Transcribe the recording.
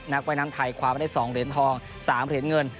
ว่ายน้ำไทยคว้ามาได้๒เหรียญทอง๓เหรียญเงิน